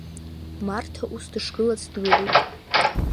Марҭа ус дышгылац дгылоуп.